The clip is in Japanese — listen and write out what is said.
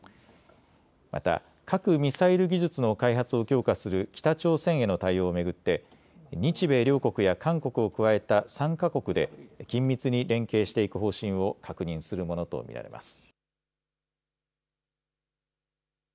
また核・ミサイル技術の開発を強化する北朝鮮への対応を巡って日米両国や韓国を加えた３か国で緊密に連携していく方針を確認するものと見られます。